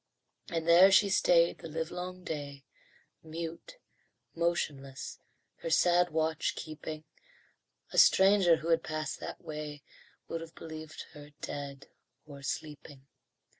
And there she stayed the livelong day, Mute, motionless, her sad watch keeping; A stranger who had passed that way Would have believed her dead or sleeping.